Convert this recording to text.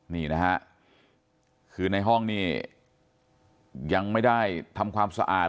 นี่นะฮะคือในห้องนี่ยังไม่ได้ทำความสะอาด